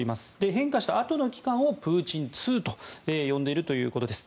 変化したあとの期間をプーチン２と呼んでいるということです。